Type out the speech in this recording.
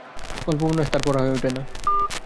গল্প-উপন্যাস তাঁর পড়া হয়ে ওঠে না।